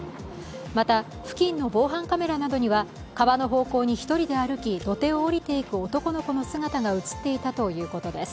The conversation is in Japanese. また、付近の防犯カメラなどには川の方向に１人で歩き土手を下りていく男の子の姿が映っていたということです。